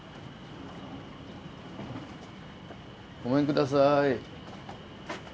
ごめんください。